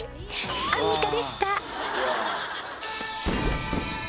アンミカでした